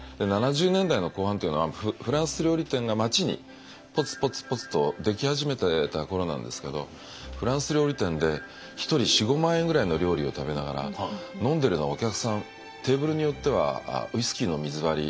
７０年代の後半っていうのはフランス料理店が街にポツポツポツと出来始めてた頃なんですけどフランス料理店で１人４５万円ぐらいの料理を食べながら飲んでるのはお客さんテーブルによってはウイスキーの水割り